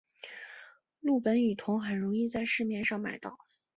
氯苯乙酮很容易在市面上买到。